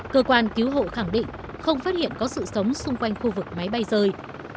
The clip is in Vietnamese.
cơ quan cứu hộ khẳng định không phát hiện có sự sống xung quanh khu vực máy bay rơi